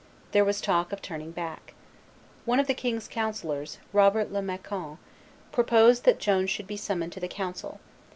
There was talk of turning back. One of the king's councillors, Robert le Macon, proposed that Joan should be summoned to the council.